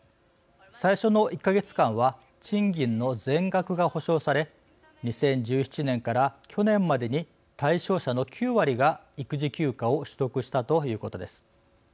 最初の１か月間は賃金の全額が保証され２０１７年から去年までに対象者の９割が育児休暇を取得したということです。